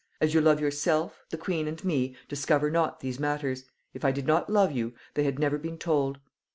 As you love yourself, the queen and me, discover not these matters; if I did not love you, they had never been told.